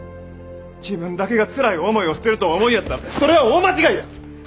自分だけがつらい思いをしてるとお思いやったらそれは大間違いや！